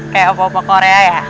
kamu mau jadi pacar